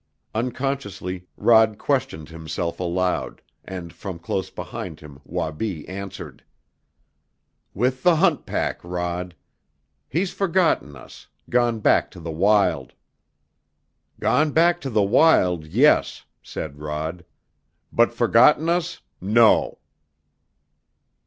Unconsciously Rod questioned himself aloud, and from close behind him Wabi answered. "With the hunt pack, Rod. He's forgotten us; gone back to the wild." "Gone back to the wild, yes," said Rod; "but forgotten us, no!"